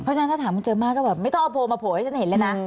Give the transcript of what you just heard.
เพราะฉะนั้นถ้าถามคุณเจมมาก็แบบไม่ต้องเอาโพลมาโผล่ให้ฉันเห็นเลยนะ